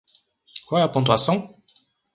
Qual é a pontuação?